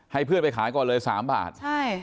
ให้เพื่อนไปขายก่อนเลยสามบาท